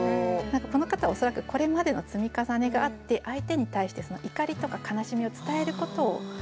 この方恐らくこれまでの積み重ねがあって相手に対して怒りとか悲しみを伝えることを諦めてしまってる。